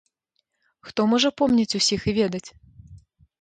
Хто можа помніць усіх і ведаць?!.